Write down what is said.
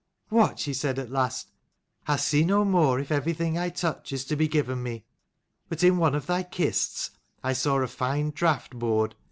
" What," she said at last, " I'll see no more if everything I touch is to be given me. But in one of thy kists, I saw a fine draught board.